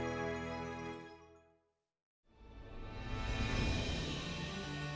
perjalanan ke wilayah sawang